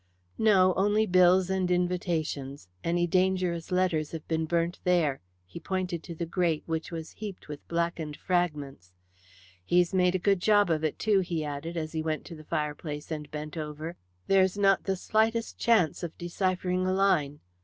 "No; only bills and invitations. Any dangerous letters have been burnt there." He pointed to the grate, which was heaped with blackened fragments. "He's made a good job of it too," he added, as he went to the fireplace and bent over it. "There's not the slightest chance of deciphering a line.